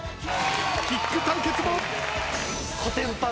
キック対決も！